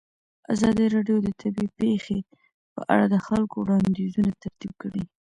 ازادي راډیو د طبیعي پېښې په اړه د خلکو وړاندیزونه ترتیب کړي.